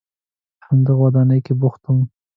په همدغه ودانۍ کې بوخت وم.